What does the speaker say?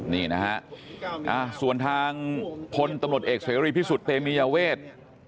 นี่นะฮะส่วนทางพลตำรวจเอกเสรีพิสุทธิ์เตมียเวท